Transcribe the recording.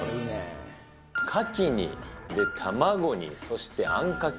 カキに卵にそしてあんかけ。